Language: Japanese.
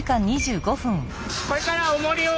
これからおもりを。